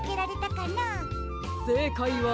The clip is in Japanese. せいかいは。